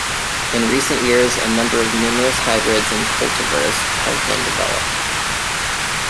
In recent years a number of numerous hybrids and cultivars have been developed.